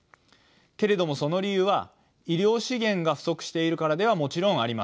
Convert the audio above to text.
けれどもその理由は医療資源が不足しているからではもちろんありません。